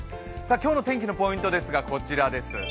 今日の天気のポイントですが、こちらです。